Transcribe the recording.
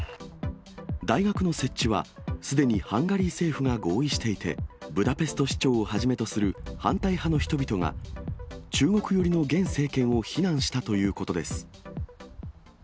大学の設置は、すでにハンガリー政府が合意していて、ブダペスト市長をはじめとする反対派の人々が、中国寄りの現政権を非難したということです。